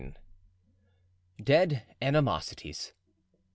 Dead Animosities.